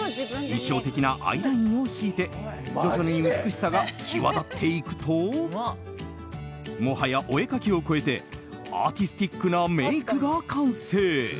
印象的なアイラインを引いて徐々に美しさが際立っていくともはやお絵かきを超えてアーティスティックなメイクが完成。